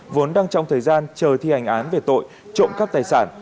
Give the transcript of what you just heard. vốn đang trong thời gian chờ thi hành án về tội trộm cắp tài sản